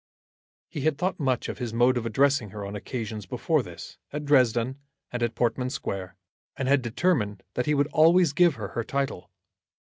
He had thought much of his mode of addressing her on occasions before this, at Dresden and at Portman Square, and had determined that he would always give her her title.